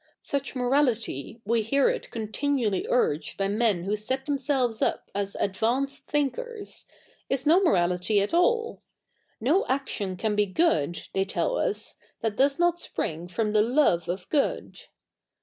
Such morality, we hear it continually urged by men who set themselves tip as advaficed thinkers, is ?io morality at all No action ca?t be good, they tell us, that does not spring from the love of good.